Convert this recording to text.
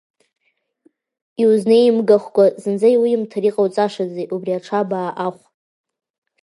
Иузнеимгахкәа, зынӡа иуимҭар иҟауҵашази убри аҽабаа ахә?!